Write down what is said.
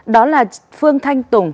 đó là phương thanh tùng